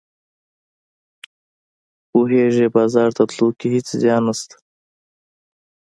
پوهیږې بازار ته تلو کې هیڅ زیان نشته